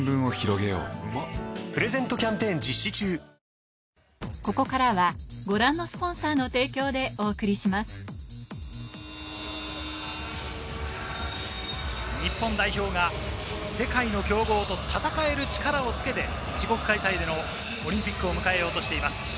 ゴベールからの景井さん、バズりそうな日本代表が世界の強豪と戦える力をつけて、自国開催でのオリンピックを迎えようとしています。